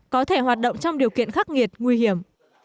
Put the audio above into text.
có thể hoạt động trong điều kiện khắc nghiệt nguy hiểm